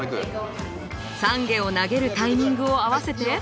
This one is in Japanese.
散華を投げるタイミングを合わせて。